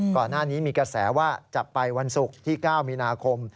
ก่อนหน้านี้มีกระแสว่าจะไปวันศุกร์ที่๙มีนาคม